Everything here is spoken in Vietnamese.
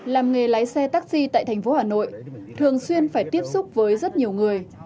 làm nghề lái xe taxi tại thành phố hà nội thường xuyên phải tiếp xúc với rất nhiều người